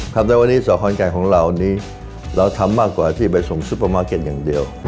ครับในวันนี้สคอนไก่ของเรานี้เราทำมากกว่าที่ไปส่งซุปเปอร์มาร์เก็ตอย่างเดียว